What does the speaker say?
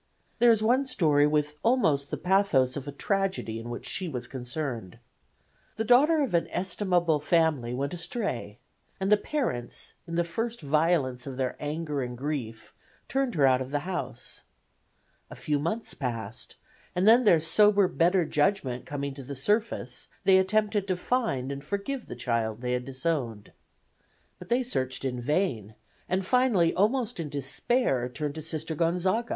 There was one story with almost the pathos of a tragedy in which she was concerned. The daughter of an estimable family went astray, and the parents in the first violence of their anger and grief turned her out of the house. A few months passed, and then their sober better judgment coming to the surface they attempted to find and forgive the child they had disowned. But they searched in vain, and finally almost in despair turned to Sister Gonzaga.